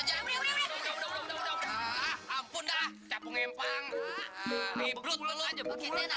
sampai jumpa di video selanjutnya